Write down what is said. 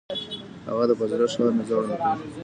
هغه د فاضله ښار نظر وړاندې کوي.